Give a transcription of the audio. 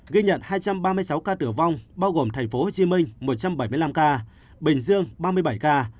ghi nhận hai trăm ba mươi sáu ca tử vong bao gồm thành phố hồ chí minh một trăm bảy mươi năm ca bình dương ba mươi bảy ca